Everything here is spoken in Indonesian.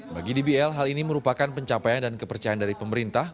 bagi dbl hal ini merupakan pencapaian dan kepercayaan dari pemerintah